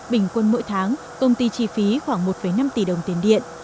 bình quân mỗi tháng công ty chi phí khoảng một năm tỷ đồng tiền điện